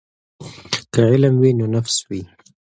که علم وي نو نفس وي.